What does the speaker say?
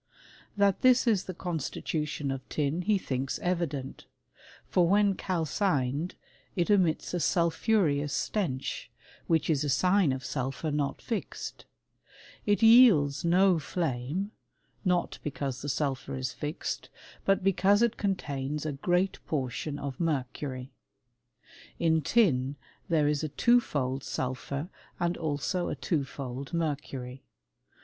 || That this is the constitution of tin he thinks evident ; for when calcined, it emits a sulphureous stench, which is a sign of sulphur not fixed : it yields no flame, not because the sulphur is 'fixed, but because it contains a great portion of mer cury. In tin there is a twofold sulphur and also a twofold mercury.